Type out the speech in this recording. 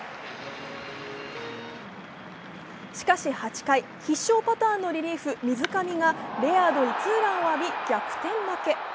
しかし８回、必勝パターンのリリーフ・水上がレアードにツーランを浴び逆転負け。